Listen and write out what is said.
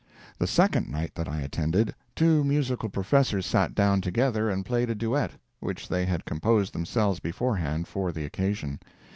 The second night that I attended, two musical professors sat down together and played a duet, which they had composed themselves beforehand for the occasion.